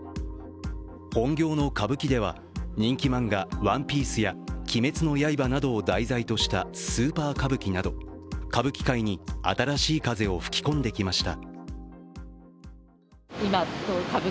本業の歌舞伎では、人気漫画「ＯＮＥＰＩＥＣＥ」や「鬼滅の刃」などを題材としたスーパー歌舞伎など歌舞伎界に新しい風を吹き込んできました。